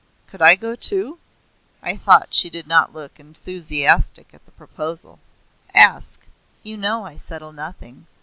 Could I go too?" I thought she did not look enthusiastic at the proposal. "Ask. You know I settle nothing.